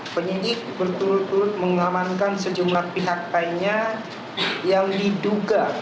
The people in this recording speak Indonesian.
penyidik berturut turut mengamankan sejumlah pihak lainnya